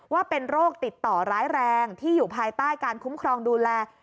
ว่าเป็นโรคติดต่อร้ายแรงที่อยู่ภายใต้การคุ้มครองดูแล